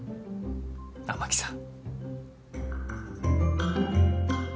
雨樹さん。